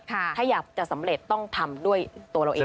ถ้าอยากจะสำเร็จต้องทำด้วยตัวเราเอง